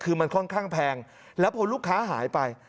คือมันค่อนข้างแพงแล้วพอลูกค้าหายไป